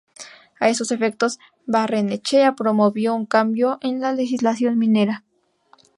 A esos efectos Barrenechea promovió un cambio de la legislación minera.